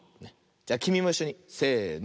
きみもいっしょにせの。